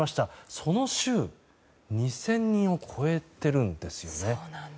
その週、２０００人を超えているんですよね。